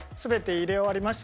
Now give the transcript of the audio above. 入れ終わりました。